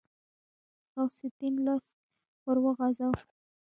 غوث الدين لاس ور وغځاوه.